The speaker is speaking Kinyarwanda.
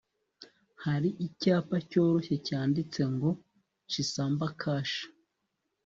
hari icyapa cyoroshye cyanditseho ngo, 'chisamba.' kashe